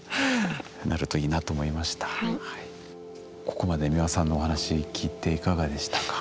ここまで美輪さんのお話聞いていかがでしたか？